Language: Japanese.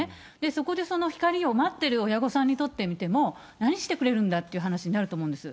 そこでその光を待ってる親御さんにとっても、何してくれるんだって話になると思うんです。